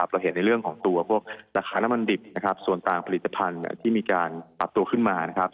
เราเห็นในเรื่องของตัวพวกราคาน้ำมันดิบส่วนต่างผลิตภัณฑ์ที่มีการปรับตัวขึ้นมา